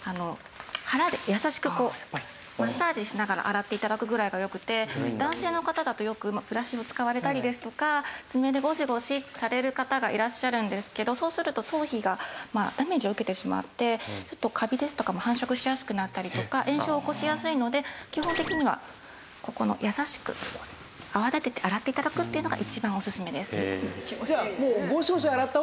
腹で優しくマッサージしながら洗って頂くぐらいがよくて男性の方だとよくブラシを使われたりですとか爪でゴシゴシされる方がいらっしゃるんですけどそうすると頭皮がダメージを受けてしまってカビですとかも繁殖しやすくなったりとか炎症を起こしやすいので基本的にはここの優しく泡立てて洗って頂くっていうのが一番おすすめですね。